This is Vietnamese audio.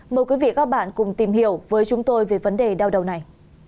mời quý vị và các bạn cùng tìm hiểu với chúng tôi về vấn đề đau đầu này